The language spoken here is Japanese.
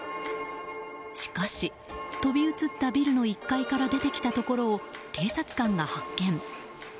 しかし、飛び移ったビルの１階から出てきたところを警察官が発見。